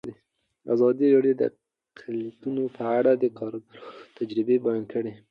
ازادي راډیو د اقلیتونه په اړه د کارګرانو تجربې بیان کړي.